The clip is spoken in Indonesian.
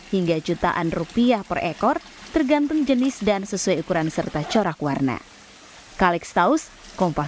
hingga jutaan rupiah per ekor tergantung jenis dan sesuai ukuran serta contoh